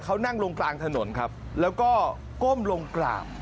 เขานั่งลงกลางถนนครับแล้วก็ก้มลงกราบ